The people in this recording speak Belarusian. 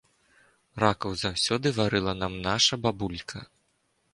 Ракаў заўсёды варыла нам наша бабулька.